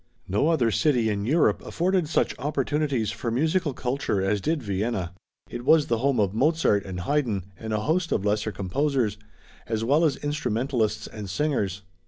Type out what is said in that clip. No other city in Europe afforded such opportunities for musical culture as did Vienna. It was the home of Mozart and Haydn and a host of lesser composers, as well as instrumentalists and singers.